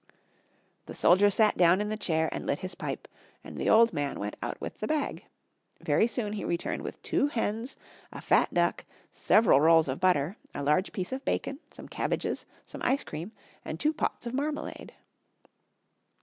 The soldier sat down in the chair and lit his pipe, and the old man went out with the bag. Very soon he returned with two hens, a fat duck, several rolls of butter, a large piece of bacon, some cabbages, some ice cream, and two pots of marmalade.